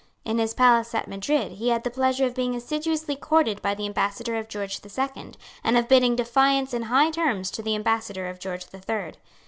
In his palace at Madrid he had the pleasure of being assiduously courted by the ambassador of George the Second, and of bidding defiance in high terms to the ambassador of George the Third.